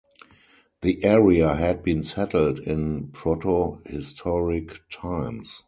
The area had been settled in protohistoric times.